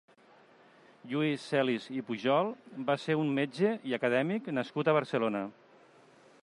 Lluís Celis i Pujol va ser un metge i acadèmic nascut a Barcelona.